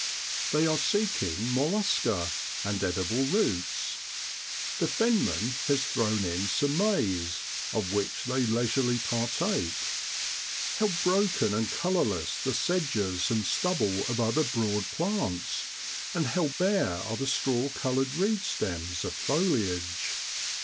They are seeking mollusca and edible roots. The fenman has thrown in some maize, of which they leisurely par take. How broken and colourless the sedges and stubble of other broad plants, and how bare are the straw coloured reedstems of foliage!